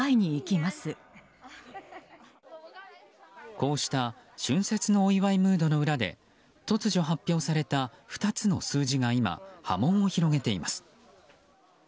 こうした春節のお祝いムードの裏で突如、発表された２つの数字が今波紋を広げています。